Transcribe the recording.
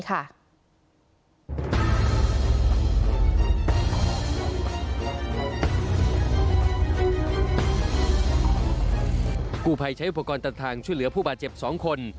กูภัยใช้อุปกรณ์ตัดทางช่วยเหลือผู้บาดเจ็บสองคน